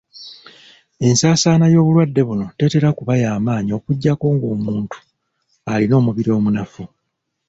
Ensaasaana y'obulwadde buno tetera kuba y'amaanyi okuggyako ng'omuntu alina omubiri omunafu